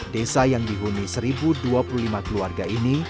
desa yang dihuni seribu dua puluh lima keluarga ini